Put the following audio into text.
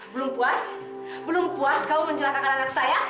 belum puas belum puas kau mencelakakan anak saya